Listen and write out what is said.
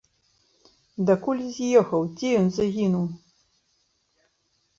Дакуль з'ехаў, дзе ён згінуў?